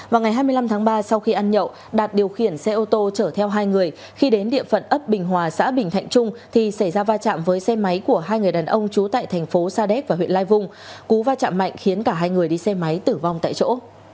vào ngày hai mươi năm tháng ba sau khi ăn nhậu đạt điều khiển xe ô tô chở theo hai người khi đến địa phận ấp bình hòa xã bình thạnh trung thì xảy ra va chạm với xe máy của hai người đàn ông trú tại thành phố sa đéc và huyện lai vung cú va chạm mạnh khiến cả hai người đi xe máy tử vong tại chỗ